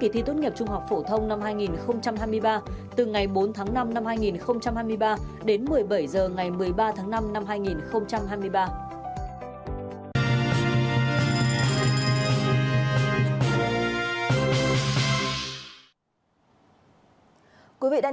kỳ thi tốt nghiệp trung học phổ thông năm hai nghìn hai mươi ba